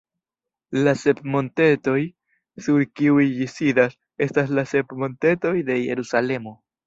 La sep montetoj sur kiuj ĝi sidas estas la sep montetoj de Jerusalemo.